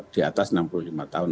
di atas enam puluh lima tahun